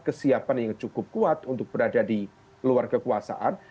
kesiapan yang cukup kuat untuk berada di luar kekuasaan